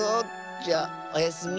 じゃおやすみ。